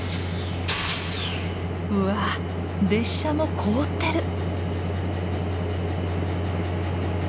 うわ列車も凍ってる！